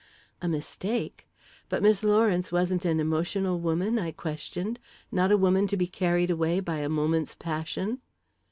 "A mistake? But Miss Lawrence wasn't an emotional woman?" I questioned. "Not a woman to be carried away by a moment's passion?"